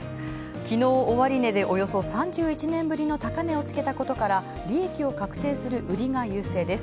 きのう終値でおよそ３１年ぶりの高値をつけたことから利益を確定する優勢です。